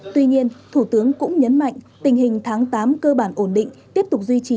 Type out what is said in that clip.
tuy nhiên thủ tướng cũng nhấn mạnh tình hình tháng tám cơ bản ổn định